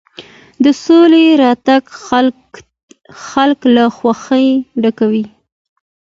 د سولې راتګ خلک له خوښۍ ډکوي.